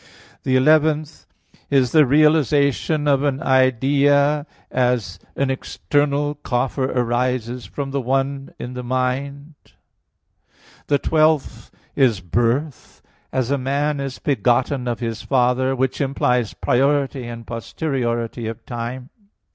The eleventh is the realization of an idea [ideatio], as an external coffer arises from the one in the mind. The twelfth is birth, as a man is begotten of his father; which implies priority and posteriority of time.